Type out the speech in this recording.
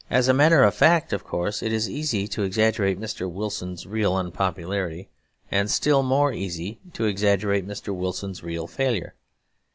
As a matter of fact, of course, it is easy to exaggerate Mr. Wilson's real unpopularity, and still more easy to exaggerate Mr. Wilson's real failure.